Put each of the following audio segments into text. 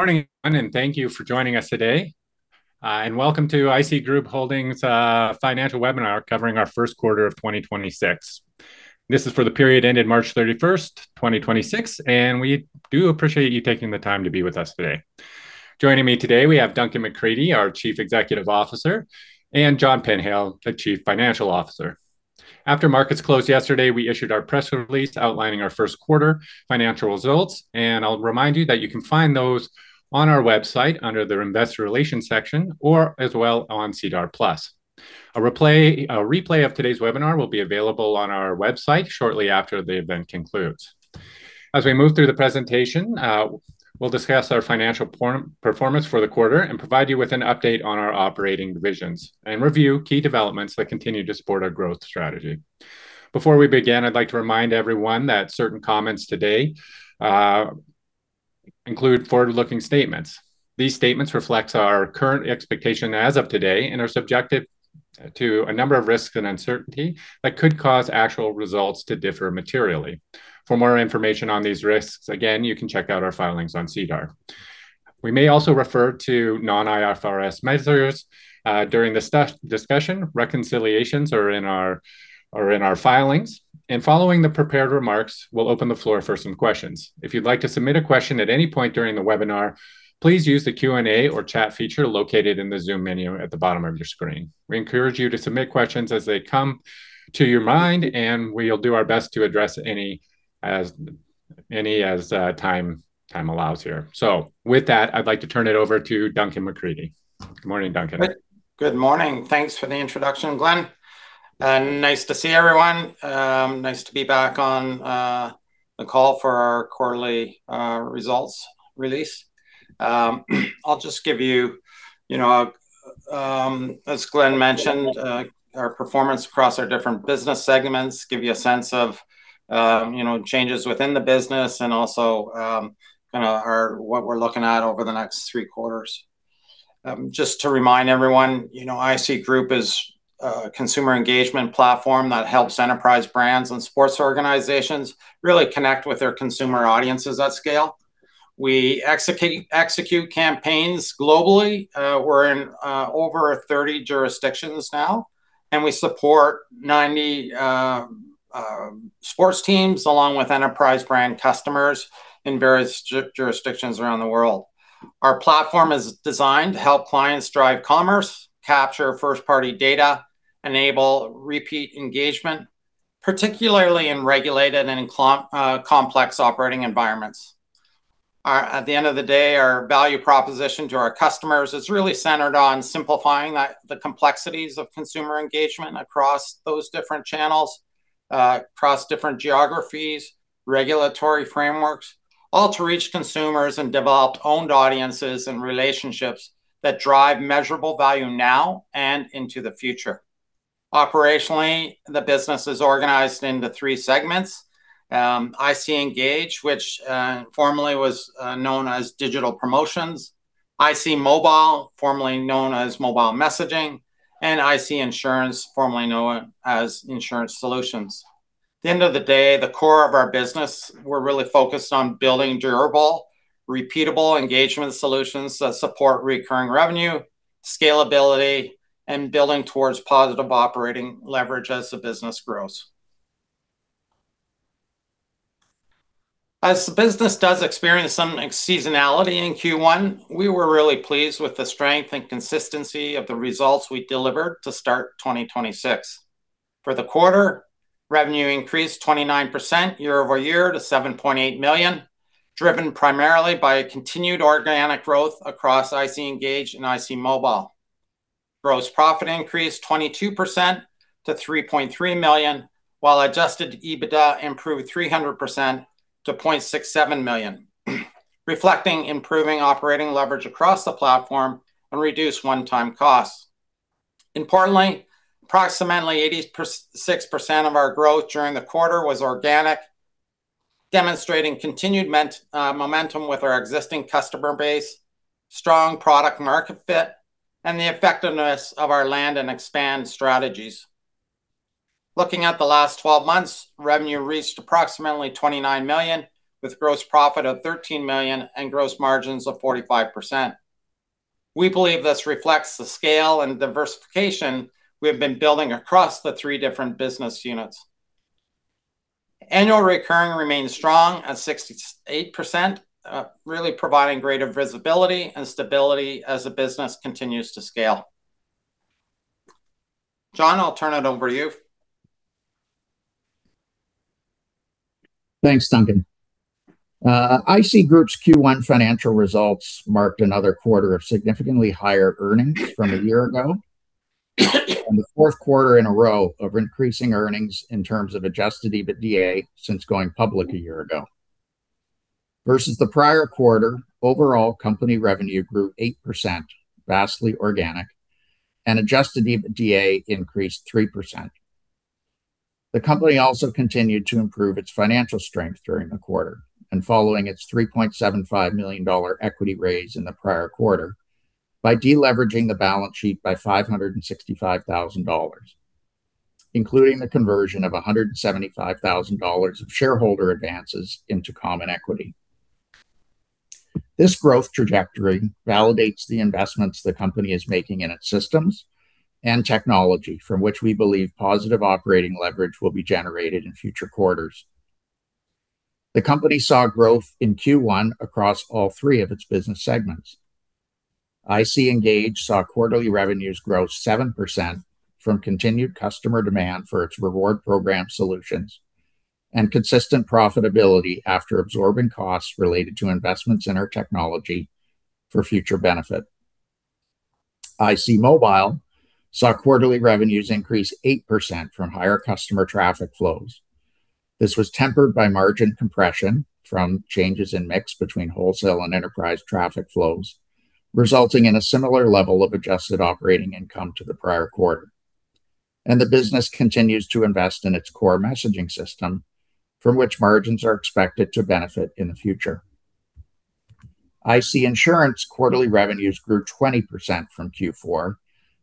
Morning, thank you for joining us today. Welcome to IC Group Holdings' financial webinar covering our first quarter of 2026. This is for the period ending March 31st, 2026, and we do appreciate you taking the time to be with us today. Joining me today, we have Duncan McCready, our chief executive officer, and John Penhale, the chief financial officer. After markets closed yesterday, we issued our press release outlining our first quarter financial results. I'll remind you that you can find those on our website under the investor relations section, or as well on SEDAR+. A replay of today's webinar will be available on our website shortly after the event concludes. As we move through the presentation, we'll discuss our financial performance for the quarter and provide you with an update on our operating divisions and review key developments that continue to support our growth strategy. Before we begin, I'd like to remind everyone that certain comments today include forward-looking statements. These statements reflect our current expectation as of today and are subjected to a number of risks and uncertainty that could cause actual results to differ materially. For more information on these risks, again, you can check out our filings on SEDAR. We may also refer to non-IFRS measures during the discussion. Reconciliations are in our filings. Following the prepared remarks, we'll open the floor for some questions. If you'd like to submit a question at any point during the webinar, please use the Q&A or chat feature located in the Zoom menu at the bottom of your screen. We encourage you to submit questions as they come to your mind, and we'll do our best to address any as time allows here. With that, I'd like to turn it over to Duncan McCready. Good morning, Duncan. Good morning. Thanks for the introduction, Glenn. Nice to see everyone. Nice to be back on the call for our quarterly results release. I'll just give you, as Glenn mentioned, our performance across our different business segments, give you a sense of changes within the business and also what we're looking at over the next three quarters. Just to remind everyone, IC Group is a consumer engagement platform that helps enterprise brands and sports organizations really connect with their consumer audiences at scale. We execute campaigns globally. We're in over 30 jurisdictions now, and we support 90 sports teams along with enterprise brand customers in various jurisdictions around the world. Our platform is designed to help clients drive commerce, capture first-party data, enable repeat engagement, particularly in regulated and complex operating environments. At the end of the day, our value proposition to our customers is really centered on simplifying the complexities of consumer engagement across those different channels, across different geographies, regulatory frameworks, all to reach consumers and develop owned audiences and relationships that drive measurable value now and into the future. Operationally, the business is organized into three segments. IC Engage, which formerly was known as Digital Promotions, IC Mobile, formerly known as Mobile Messaging, and IC Insurance, formerly known as Insurance Solutions. At the end of the day, the core of our business, we're really focused on building durable, repeatable engagement solutions that support recurring revenue, scalability, and building towards positive operating leverage as the business grows. As the business does experience some seasonality in Q1, we were really pleased with the strength and consistency of the results we delivered to start 2026. For the quarter, revenue increased 29% year-over-year to 7.8 million, driven primarily by a continued organic growth across IC Engage and IC Mobile. Gross profit increased 22% to 3.3 million, while adjusted EBITDA improved 300% to 0.67 million, reflecting improving operating leverage across the platform and reduced one-time costs. Importantly, approximately 86% of our growth during the quarter was organic, demonstrating continued momentum with our existing customer base, strong product market fit, and the effectiveness of our land and expand strategies. Looking at the last 12 months, revenue reached approximately 29 million, with gross profit of 13 million and gross margins of 45%. We believe this reflects the scale and diversification we have been building across the three different business units. Annual recurring remains strong at 68%, really providing greater visibility and stability as the business continues to scale. John, I'll turn it over to you. Thanks, Duncan. IC Group's Q1 financial results marked another quarter of significantly higher earnings from a year ago, and the fourth quarter in a row of increasing earnings in terms of adjusted EBITDA since going public a year ago. Versus the prior quarter, overall company revenue grew 8%, vastly organic, and adjusted EBITDA increased 3%. The company also continued to improve its financial strength during the quarter and following its 3.75 million dollar equity raise in the prior quarter by deleveraging the balance sheet by 565,000 dollars, including the conversion of 175,000 dollars of shareholder advances into common equity. This growth trajectory validates the investments the company is making in its systems and technology, from which we believe positive operating leverage will be generated in future quarters. The company saw growth in Q1 across all three of its business segments. IC Engage saw quarterly revenues grow 7% from continued customer demand for its reward program solutions, and consistent profitability after absorbing costs related to investments in our technology for future benefit. IC Mobile saw quarterly revenues increase 8% from higher customer traffic flows. This was tempered by margin compression from changes in mix between wholesale and enterprise traffic flows, resulting in a similar level of adjusted operating income to the prior quarter. The business continues to invest in its core messaging system, from which margins are expected to benefit in the future. IC Insurance quarterly revenues grew 20% from Q4,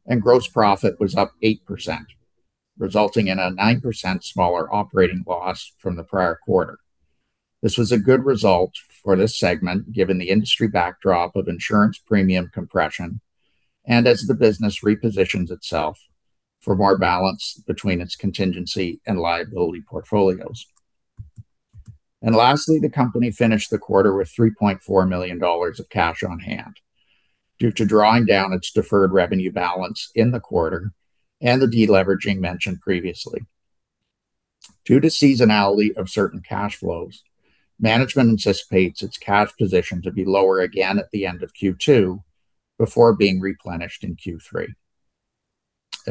and gross profit was up 8%, resulting in a 9% smaller operating loss from the prior quarter. This was a good result for this segment, given the industry backdrop of insurance premium compression, and as the business repositions itself for more balance between its contingency and liability portfolios. Lastly, the company finished the quarter with 3.4 million dollars of cash on hand due to drawing down its deferred revenue balance in the quarter and the de-leveraging mentioned previously. Due to seasonality of certain cash flows, management anticipates its cash position to be lower again at the end of Q2 before being replenished in Q3.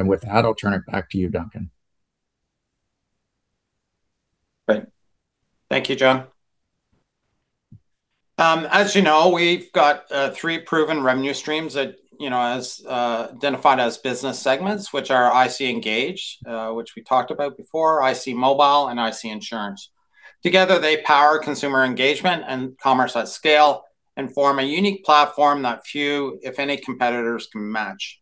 With that, I'll turn it back to you, Duncan. Great. Thank you, John. As you know, we've got three proven revenue streams that, as identified as business segments, which are IC Engage, which we talked about before, IC Mobile, and IC Insurance. Together, they power consumer engagement and commerce at scale and form a unique platform that few, if any, competitors can match.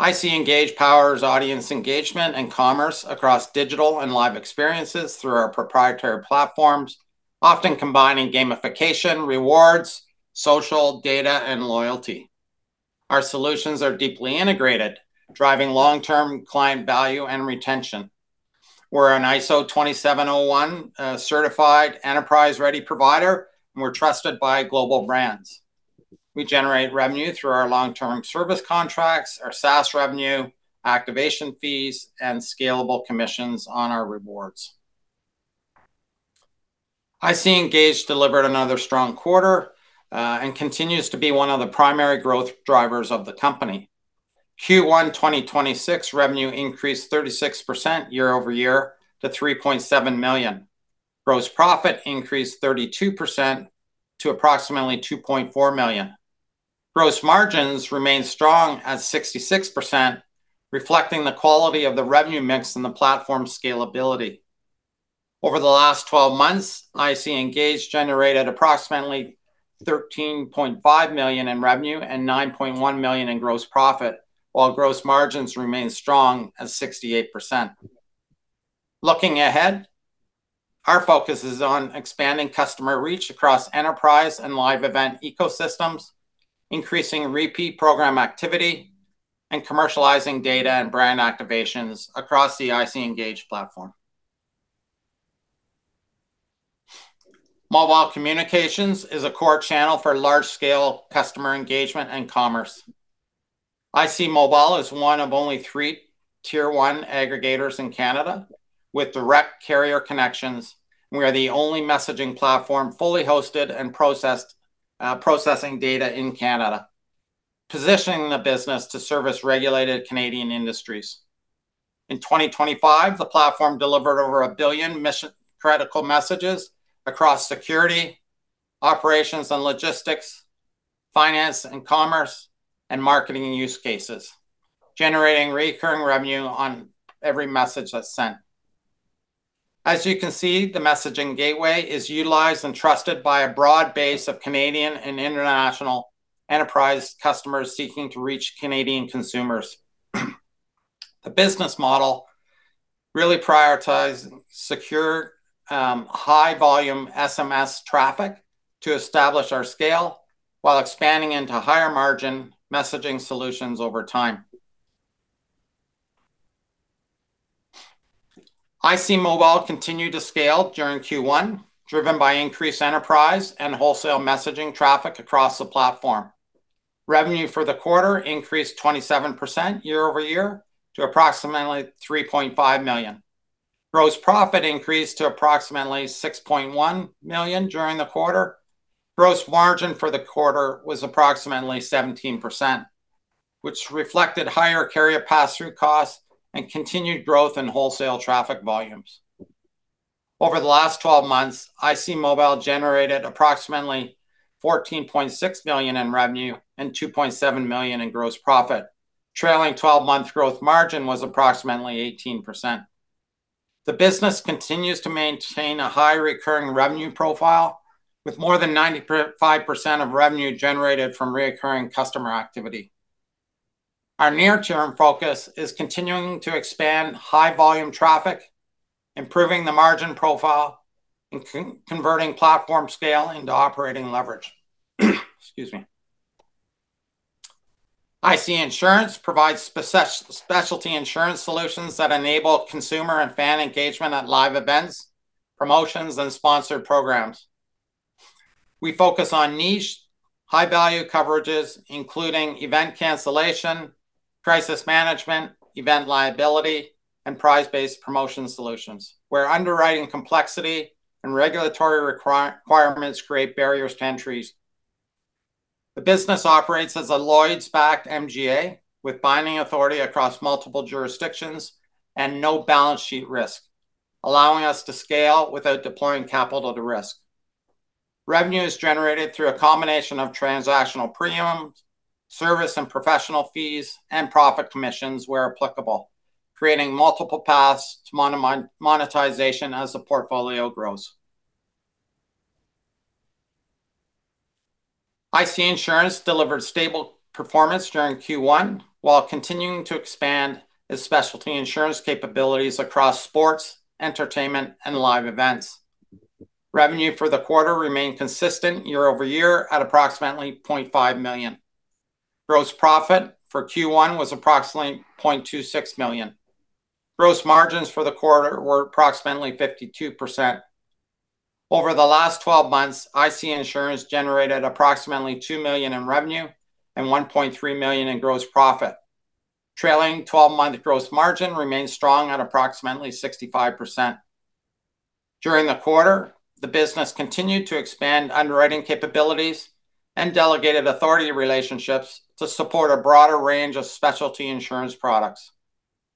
IC Engage powers audience engagement and commerce across digital and live experiences through our proprietary platforms, often combining gamification, rewards, social, data, and loyalty. Our solutions are deeply integrated, driving long-term client value and retention. We're an ISO/IEC 27001 certified enterprise-ready provider, and we're trusted by global brands. We generate revenue through our long-term service contracts, our SaaS revenue, activation fees, and scalable commissions on our rewards. IC Engage delivered another strong quarter, and continues to be one of the primary growth drivers of the company. Q1 2026 revenue increased 36% year-over-year to 3.7 million. Gross profit increased 32% to approximately 2.4 million. Gross margins remained strong at 66%, reflecting the quality of the revenue mix and the platform scalability. Over the last 12 months, IC Engage generated approximately 13.5 million in revenue and 9.1 million in gross profit, while gross margins remain strong at 68%. Looking ahead, our focus is on expanding customer reach across enterprise and live event ecosystems, increasing repeat program activity, and commercializing data and brand activations across the IC Engage platform. Mobile communications is a core channel for large scale customer engagement and commerce. IC Mobile is one of only three tier one aggregators in Canada with direct carrier connections. We are the only messaging platform fully hosted and processing data in Canada, positioning the business to service regulated Canadian industries. In 2025, the platform delivered over a billion critical messages across security, operations and logistics, finance and commerce, and marketing use cases, generating recurring revenue on every message that's sent. As you can see, the messaging gateway is utilized and trusted by a broad base of Canadian and international enterprise customers seeking to reach Canadian consumers. The business model really prioritize secure, high volume SMS traffic to establish our scale while expanding into higher margin messaging solutions over time. IC Mobile continued to scale during Q1, driven by increased enterprise and wholesale messaging traffic across the platform. Revenue for the quarter increased 27% year-over-year to approximately 3.5 million. Gross profit increased to approximately 6.1 million during the quarter. Gross margin for the quarter was approximately 17%, which reflected higher carrier pass-through costs and continued growth in wholesale traffic volumes. Over the last 12 months, IC Mobile generated approximately CAD 14.6 million in revenue and CAD 2.7 million in gross profit. Trailing 12-month gross margin was approximately 18%. The business continues to maintain a high recurring revenue profile with more than 95% of revenue generated from recurring customer activity. Our near-term focus is continuing to expand high volume traffic, improving the margin profile, and converting platform scale into operating leverage. Excuse me. IC Insurance provides specialty insurance solutions that enable consumer and fan engagement at live events, promotions, and sponsored programs. We focus on niche, high-value coverages including event cancellation, crisis management, event liability, and prize-based promotion solutions, where underwriting complexity and regulatory requirements create barriers to entries. The business operates as a Lloyd's-backed MGA with binding authority across multiple jurisdictions and no balance sheet risk, allowing us to scale without deploying capital to risk. Revenue is generated through a combination of transactional premiums, service and professional fees, and profit commissions where applicable, creating multiple paths to monetization as the portfolio grows. IC Insurance delivered stable performance during Q1 while continuing to expand its specialty insurance capabilities across sports, entertainment, and live events. Revenue for the quarter remained consistent year-over-year at approximately 0.5 million. Gross profit for Q1 was approximately 0.26 million. Gross margins for the quarter were approximately 52%. Over the last 12 months, IC Insurance generated approximately 2 million in revenue and 1.3 million in gross profit. Trailing 12-month gross margin remains strong at approximately 65%. During the quarter, the business continued to expand underwriting capabilities and delegated authority relationships to support a broader range of specialty insurance products.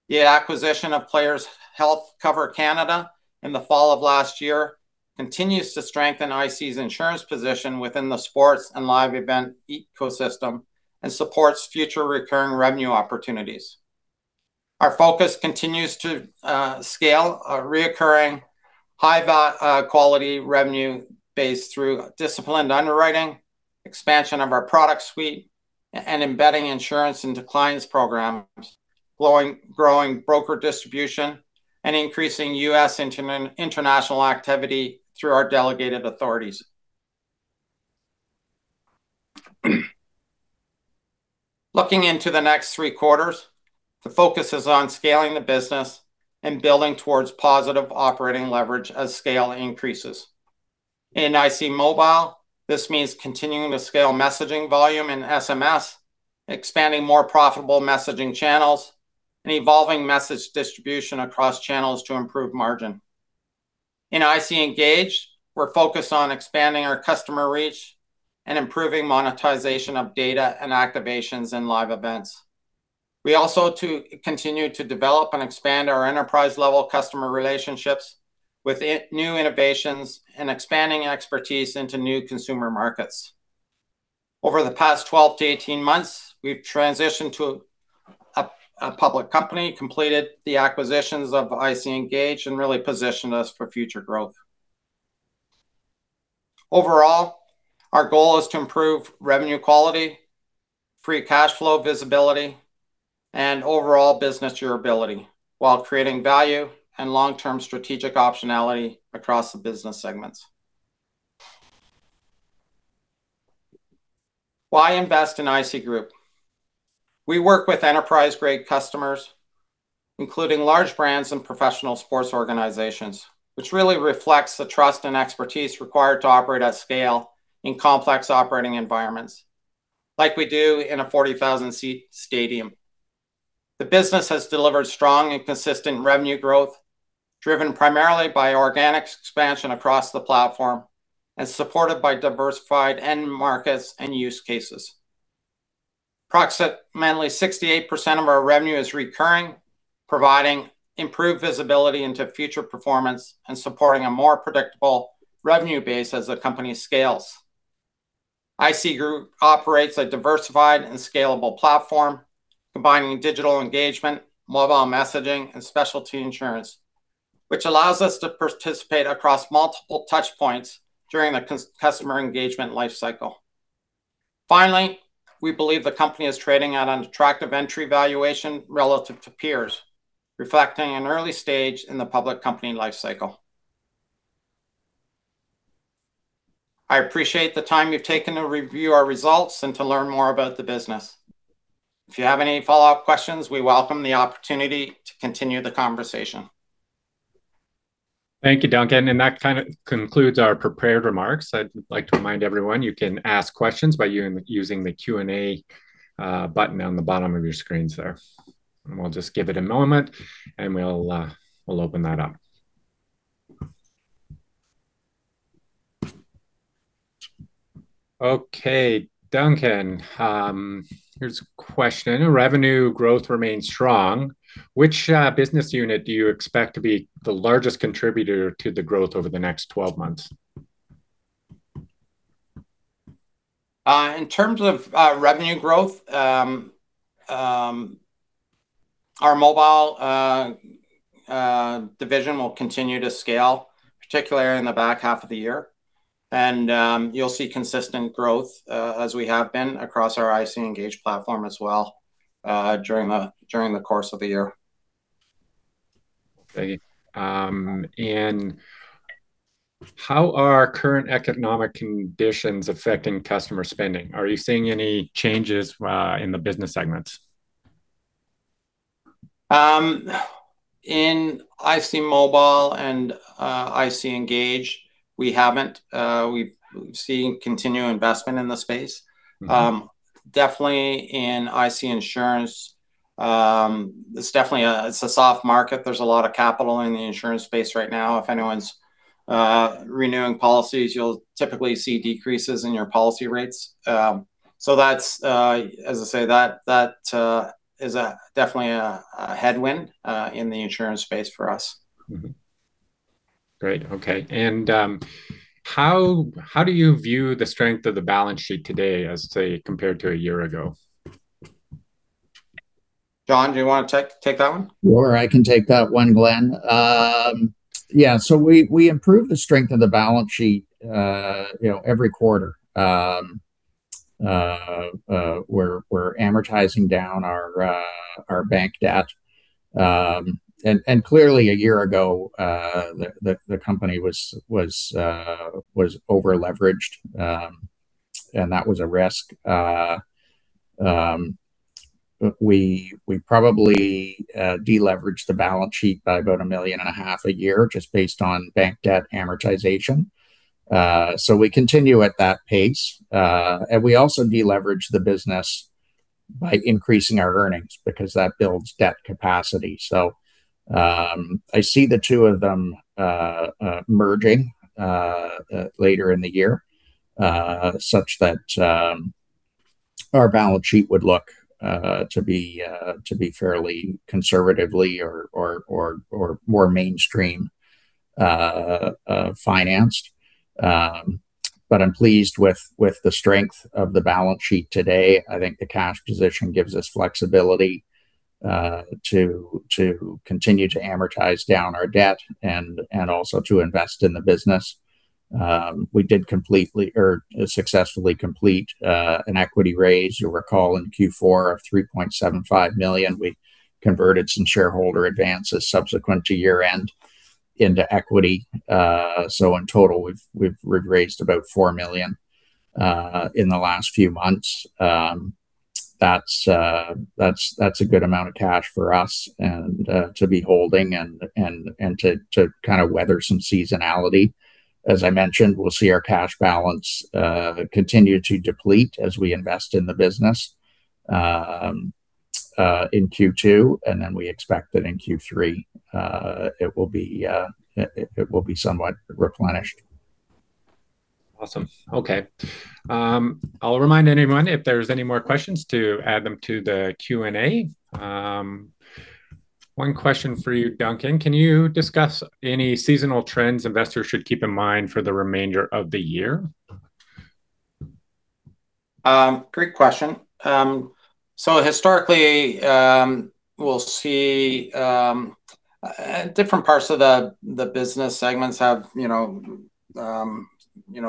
The acquisition of Players Health Cover Canada in the fall of last year continues to strengthen IC's Insurance position within the sports and live event ecosystem and supports future recurring revenue opportunities. Our focus continues to scale reoccurring, high-quality revenue base through disciplined underwriting, expansion of our product suite, and embedding insurance into clients' programs, growing broker distribution, and increasing U.S. international activity through our delegated authorities. Looking into the next three quarters, the focus is on scaling the business and building towards positive operating leverage as scale increases. In IC Mobile, this means continuing to scale messaging volume and SMS, expanding more profitable messaging channels, and evolving message distribution across channels to improve margin. In IC Engage, we're focused on expanding our customer reach and improving monetization of data and activations in live events. We also continue to develop and expand our enterprise-level customer relationships with new innovations and expanding expertise into new consumer markets. Over the past 12 to 18 months, we've transitioned to a public company, completed the acquisitions of IC Engage, and really positioned us for future growth. Overall, our goal is to improve revenue quality, free cash flow visibility, and overall business durability while creating value and long-term strategic optionality across the business segments. Why invest in IC Group? We work with enterprise-grade customers, including large brands and professional sports organizations, which really reflects the trust and expertise required to operate at scale in complex operating environments like we do in a 40,000-seat stadium. The business has delivered strong and consistent revenue growth, driven primarily by organic expansion across the platform and supported by diversified end markets and use cases. Approximately 68% of our revenue is recurring, providing improved visibility into future performance and supporting a more predictable revenue base as the company scales. IC Group operates a diversified and scalable platform combining digital engagement, mobile messaging, and specialty insurance, which allows us to participate across multiple touch points during the customer engagement life cycle. Finally, we believe the company is trading at an attractive entry valuation relative to peers, reflecting an early stage in the public company life cycle. I appreciate the time you've taken to review our results and to learn more about the business. If you have any follow-up questions, we welcome the opportunity to continue the conversation. Thank you, Duncan, and that concludes our prepared remarks. I'd like to remind everyone, you can ask questions by using the Q&A button on the bottom of your screens there, and we'll just give it a moment, and we'll open that up. Okay, Duncan, here's a question. Revenue growth remains strong. Which business unit do you expect to be the largest contributor to the growth over the next 12 months? In terms of revenue growth, our mobile division will continue to scale, particularly in the back half of the year. You'll see consistent growth as we have been across our IC Engage platform as well during the course of the year. Okay. How are current economic conditions affecting customer spending? Are you seeing any changes in the business segments? In IC Mobile and IC Engage, we haven't. We've seen continued investment in the space. Definitely in IC Insurance, it's definitely a soft market. There's a lot of capital in the insurance space right now. If anyone's renewing policies, you'll typically see decreases in your policy rates. That's, as I say, that is definitely a headwind in the insurance space for us. Great. Okay. How do you view the strength of the balance sheet today as, say, compared to a year ago? John, do you want to take that one? I can take that one, Glenn. We improve the strength of the balance sheet every quarter. We're amortizing down our bank debt. Clearly a year ago, the company was over-leveraged, and that was a risk. We probably de-leveraged the balance sheet by about a million and a half a year just based on bank debt amortization. We continue at that pace. We also de-leverage the business by increasing our earnings because that builds debt capacity. I see the two of them merging later in the year, such that our balance sheet would look to be fairly conservatively or more mainstream financed. I'm pleased with the strength of the balance sheet today. I think the cash position gives us flexibility to continue to amortize down our debt and also to invest in the business. We did successfully complete an equity raise, you'll recall, in Q4 of 3.75 million. We converted some shareholder advances subsequent to year-end into equity. In total, we've raised about 4 million in the last few months. That's a good amount of cash for us to be holding and to kind of weather some seasonality. As I mentioned, we'll see our cash balance continue to deplete as we invest in the business in Q2, and then we expect that in Q3 it will be somewhat replenished. Awesome. Okay. I'll remind anyone if there's any more questions to add them to the Q&A. One question for you, Duncan. Can you discuss any seasonal trends investors should keep in mind for the remainder of the year? Great question. Historically, we'll see different parts of the business segments have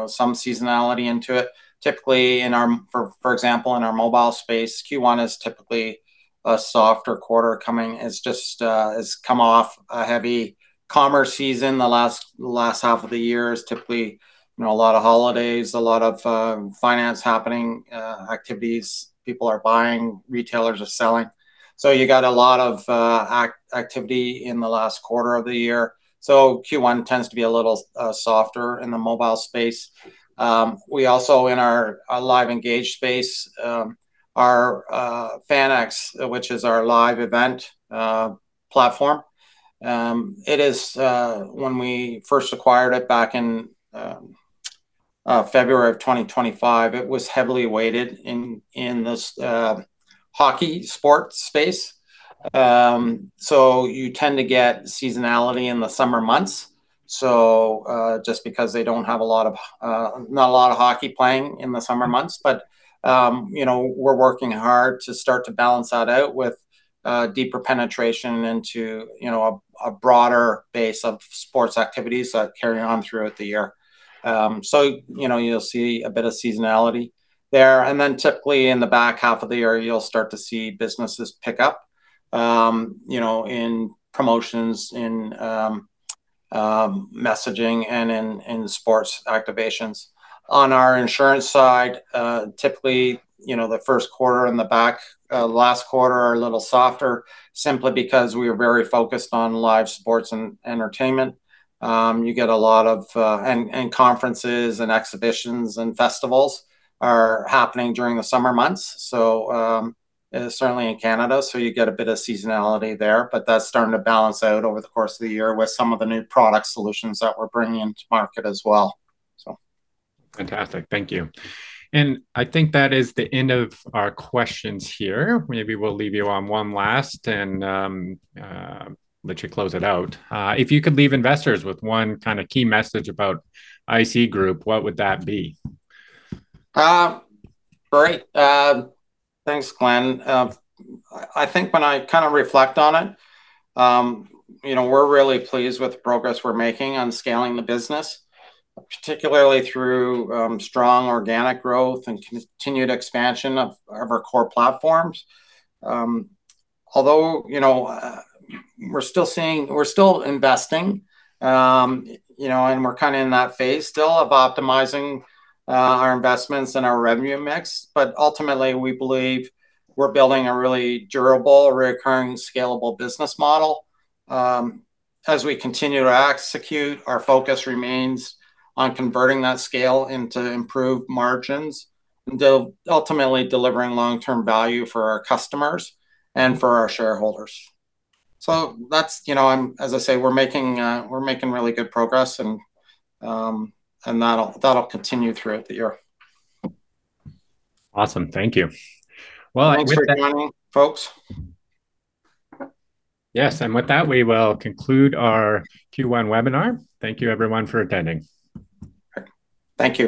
some seasonality into it. Typically, for example, in our mobile space, Q1 is typically a softer quarter, has come off a heavy commerce season the last half of the year. There is typically a lot of holidays, a lot of commerce happening, activities. People are buying, retailers are selling. You got a lot of activity in the last quarter of the year. Q1 tends to be a little softer in the mobile space. We also, in our live Engage space, our Fannex, which is our live event platform. When we first acquired it back in February of 2025, it was heavily weighted in this hockey sports space. You tend to get seasonality in the summer months, just because they don't have a lot of hockey playing in the summer months. We're working hard to start to balance that out with deeper penetration into a broader base of sports activities that carry on throughout the year. You'll see a bit of seasonality there. Typically in the back half of the year, you'll start to see businesses pick up in promotions, in messaging, and in sports activations. On our insurance side, typically, the first quarter and the back last quarter are a little softer simply because we are very focused on live sports and entertainment. Conferences and exhibitions and festivals are happening during the summer months, certainly in Canada, so you get a bit of seasonality there. That's starting to balance out over the course of the year with some of the new product solutions that we're bringing into market as well, so. Fantastic. Thank you. I think that is the end of our questions here. Maybe we'll leave you on one last and let you close it out. If you could leave investors with one kind of key message about IC Group, what would that be? Great. Thanks, Glenn. I think when I kind of reflect on it, we're really pleased with the progress we're making on scaling the business, particularly through strong organic growth and continued expansion of our core platforms. Although, we're still investing, and we're kind of in that phase still of optimizing our investments and our revenue mix. Ultimately, we believe we're building a really durable, recurring, scalable business model. As we continue to execute, our focus remains on converting that scale into improved margins, ultimately delivering long-term value for our customers and for our shareholders. As I say, we're making really good progress, and that'll continue throughout the year. Awesome. Thank you. Thanks for joining, folks. Yes. With that, we will conclude our Q1 webinar. Thank you everyone for attending. Thank you.